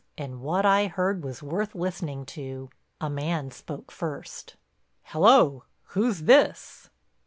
And what I heard was worth listening to. A man spoke first: "Hello, who's this?"